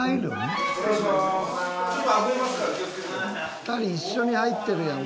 ２人一緒に入ってるやん。